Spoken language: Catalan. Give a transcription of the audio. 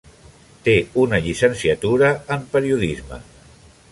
Té una llicenciatura en periodisme.